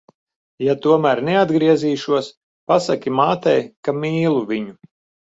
Ja tomēr neatgriezīšos, pasaki mātei, ka mīlu viņu.